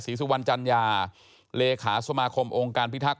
สุวรรณจัญญาเลขาสมาคมองค์การพิทักษ